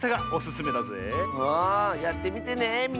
あやってみてねみんな。